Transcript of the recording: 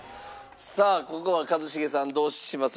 さあここは一茂さんどうします？